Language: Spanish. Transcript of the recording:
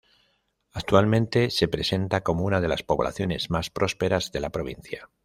Actualmente se presenta como una de las poblaciones más prósperas de la provincia.